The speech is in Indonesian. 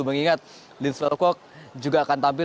mengingat linz welkog juga akan tampil